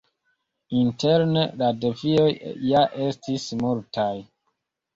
Interne, la defioj ja estis multaj.